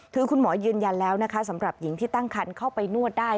คือคุณหมอยืนยันแล้วนะคะสำหรับหญิงที่ตั้งคันเข้าไปนวดได้